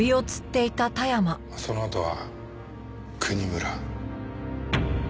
そのあとは国村。